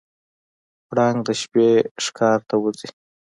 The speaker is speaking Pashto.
پړانګ د شپې ښکار ته وځي.